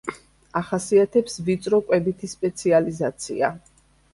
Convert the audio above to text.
ახასიათებს ვიწრო კვებითი სპეციალიზაცია.